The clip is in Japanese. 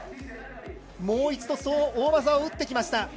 もう一度その大技を打ってきました。